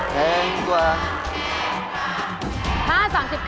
แพงกว่า